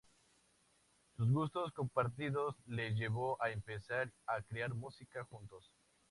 Sus gustos compartidos les llevó a empezar a crear música juntos.